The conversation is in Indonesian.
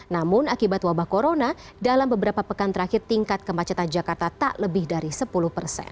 namun akibat wabah corona dalam beberapa pekan terakhir tingkat kemacetan jakarta tak lebih dari sepuluh persen